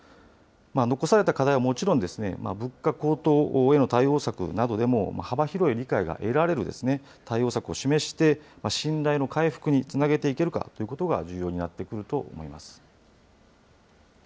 残された課題はもちろん、物価高騰への対応策などでも幅広い理解が得られる対応策を示して、信頼の回復につなげていけるかということが重要になってくると思います。